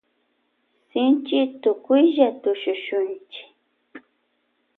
Shinchi tukuylla tushuchunchi.